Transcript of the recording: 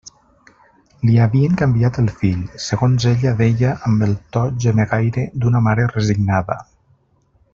Li havien canviat el fill, segons ella deia amb el to gemegaire d'una mare resignada.